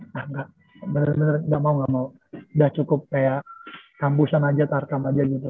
nah nggak bener bener gak mau gak mau udah cukup kayak hembusan aja tarkam aja gitu